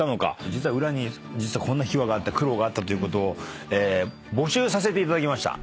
実は裏にこんな秘話があった苦労があったということを募集させていただきました。